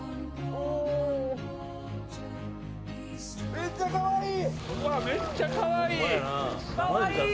めっちゃかわいい！